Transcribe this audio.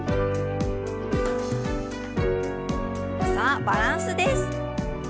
さあバランスです。